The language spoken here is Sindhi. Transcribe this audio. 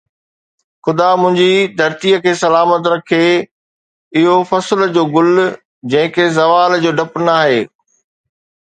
خدا منهنجي ڌرتي کي سلامت رکي. اُهو فصل جو گل، جنهن کي زوال جو ڊپ ناهي